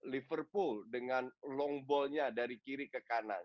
liverpool dengan long ball nya dari kiri ke kanan